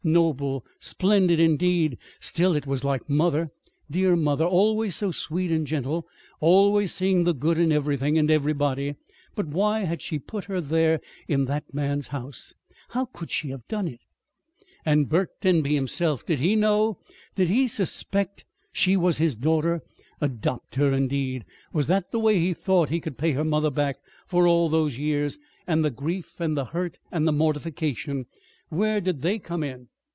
Noble! Splendid, indeed! Still, it was like mother, dear mother, always so sweet and gentle, always seeing the good in everything and everybody! But why had she put her there in that man's house? How could she have done it? And Burke Denby himself did he know? Did he suspect that she was his daughter? Adopt her, indeed! Was that the way he thought he could pay her mother back for all those years? And the grief and the hurt and the mortification where did they come in?